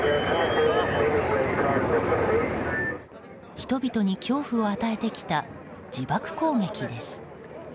人々に恐怖を与えてきた自爆攻撃です。